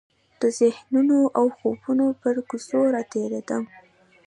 د ذهنونو او خوبونو پر کوڅو راتیریدمه